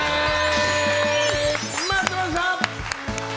待ってました！